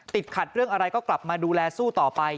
ติดขัดเรื่องอะไรก็กลับมาดูแลสู้ต่อไป